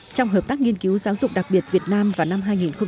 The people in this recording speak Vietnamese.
trong hợp tác nghiên cứu giáo dục đặc biệt việt nam vào năm hai nghìn một mươi sáu